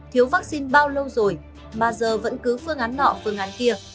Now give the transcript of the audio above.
thiếu vaccine bao lâu rồi mà giờ vẫn cứ phương án nọ phương án kia